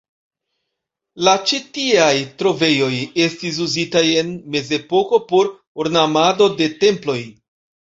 La ĉi tieaj trovejoj estis uzitaj en mezepoko por ornamado de temploj.